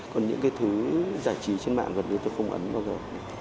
còn những cái thứ giải trí trên mạng gần đây tôi không ấn bao giờ